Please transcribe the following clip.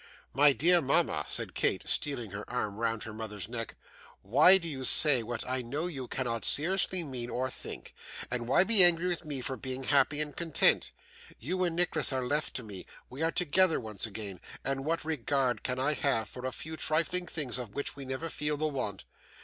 'My dear mama,' said Kate, stealing her arm round her mother's neck, 'why do you say what I know you cannot seriously mean or think, or why be angry with me for being happy and content? You and Nicholas are left to me, we are together once again, and what regard can I have for a few trifling things of which we never feel the want?